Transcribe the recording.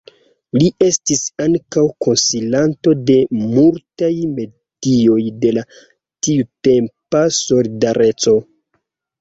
Li estis ankaŭ konsilanto de multaj medioj de la tiutempa Solidareco.